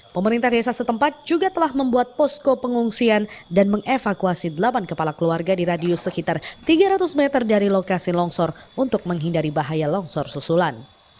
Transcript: pemerintah desa setempat juga telah membuat posko pengungsian dan mengevakuasi delapan kepala keluarga di radius sekitar tiga ratus meter dari lokasi longsor untuk menghindari bahaya longsor susulan